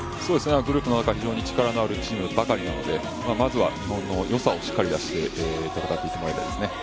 グループの中、非常に力のある選手ばかりなのでまずは日本のよさをしっかり出して戦っていってもらいたいですね。